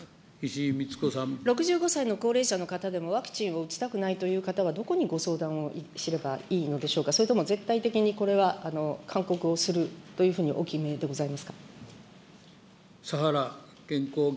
６５歳の高齢者の方でもワクチンを打ちたくないという方は、どこにご相談をすればいいのでしょうか、それとも絶対的にこれは勧告をするというふうにお決めでございますか。